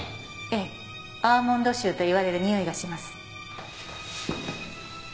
ええアーモンド臭といわれるにおいがします。